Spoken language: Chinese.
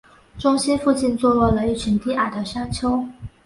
中心附近坐落了一群低矮的山丘。